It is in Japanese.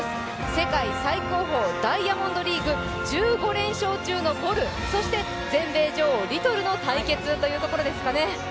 世界最高峰、ダイヤモンドリーグ１５連勝中のボル、そして全米女王、リトルの対決というところですかね。